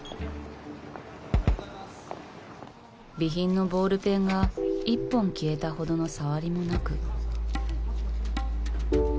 備品のボールペンが１本消えたほどの障りもなく。